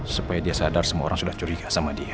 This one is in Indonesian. supaya dia sadar semua orang sudah curiga sama dia